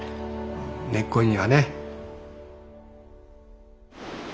根っこにはね。